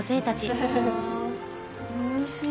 おいしい。